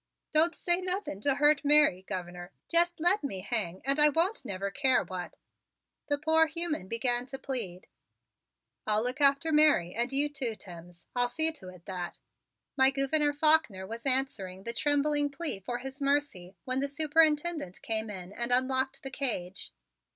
"Don't say nothing to hurt Mary, Governor. Jest let me hang and I won't never care what " the poor human began to plead. "I'll look after Mary and you too, Timms. I'll see to it that " my Gouverneur Faulkner was answering the trembling plea for his mercy when the superintendent came in and unlocked the cage.